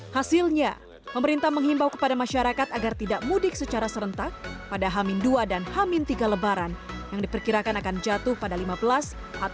hasilnya pemerintah mengimbau kepada masyarakat agar tidak mudik secara serentak pada hamin dua dan hamin tiga lebaran yang diperkirakan akan jatuh pada lima belas atau enam belas juni mendatang